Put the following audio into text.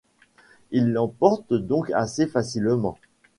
Il l'emporte donc assez facilement.